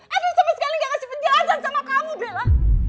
afif sama sekali gak ngasih penjelasan sama kamu bella